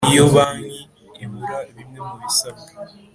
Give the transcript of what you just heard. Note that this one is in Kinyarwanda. Iyo banki ibura bimwe mu bisabwa